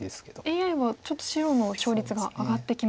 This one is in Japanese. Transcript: ＡＩはちょっと白の勝率が上がってきました。